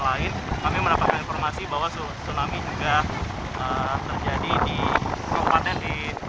lain kami mendapatkan informasi bahwa tsunami juga terjadi di kabupaten di